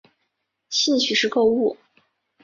兴趣是购物。